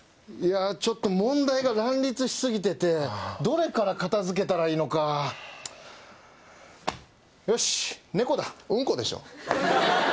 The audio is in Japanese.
いやちょっと問題が乱立しすぎててどれから片づけたらいいのかよし猫だうんこでしょ